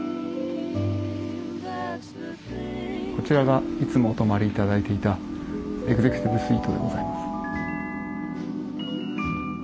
こちらがいつもお泊まり頂いていたエグゼクティブスイートでございます。